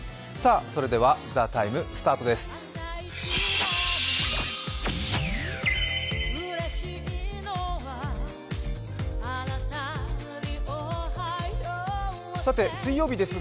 それでは「ＴＨＥＴＩＭＥ，」スタートです。